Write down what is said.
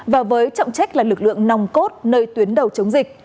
và với trọng trách là lực lượng nòng cốt nơi tuyến đầu chống dịch